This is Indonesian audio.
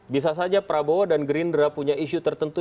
bisa saja prabowo dan gerindra punya isu tertentu